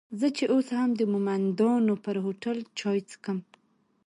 زه چې اوس هم د مومندانو پر هوټل چای څکم.